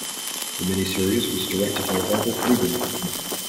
The miniseries was directed by Robert Lieberman.